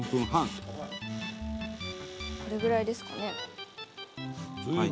これぐらいですかね。